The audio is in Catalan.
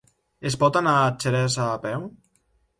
Es pot anar a Xeresa a peu?